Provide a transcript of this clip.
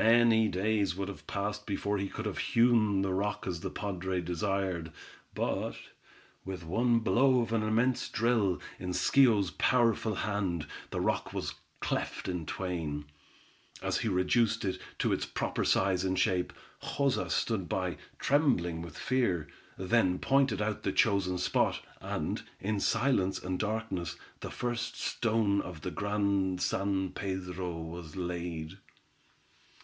Many days would have passed before he could have hewn the rock as the padre desired, but, with one blow of an immense drill, in Schio's powerful hand, the rock was cleft in twain. As he reduced it to its proper size and shape, Joza stood by, trembling with fear; then pointed out the chosen spot, and, in silence and darkness, the first stone of the Grand San Pedro was laid.